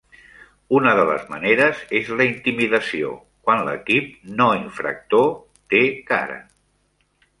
Una de les maneres és la intimidació, quan l'equip no infractor té "cara".